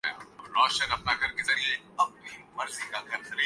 سب کے ماتھے پر شکنیں پڑ گئیں